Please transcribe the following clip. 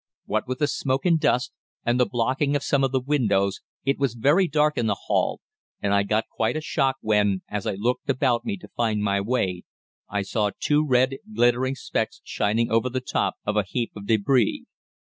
What with the smoke and dust, and the blocking of some of the windows, it was very dark in the hall, and I got quite a shock when, as I looked about me to find my way, I saw two red, glittering specks shining over the top of a heap of débris.